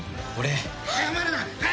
早まるな！